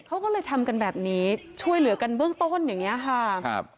เขาก็เลยทำกันแบบนี้ช่วยเหลือกันเบื้องต้นอย่างเงี้ยค่ะครับ